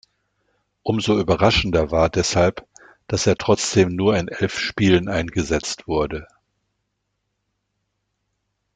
Umso überraschender war deshalb, dass er trotzdem nur in elf Spielen eingesetzt wurde.